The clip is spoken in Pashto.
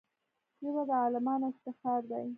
ژبه د عالمانو افتخار دی